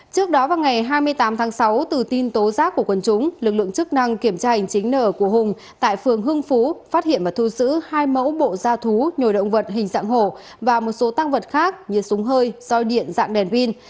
trước đó vào ngày hai mươi tám tháng sáu từ tin tố giác của quân chúng lực lượng chức năng kiểm tra hành chính nở của hùng tại phường hưng phú phát hiện và thu giữ hai mẫu bộ gia thú nhồi động vật hình dạng hổ và một số tăng vật khác như súng hơi roi điện dạng đèn vin